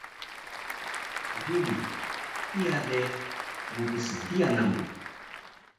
Gimi, kiya de mpsdiyal namu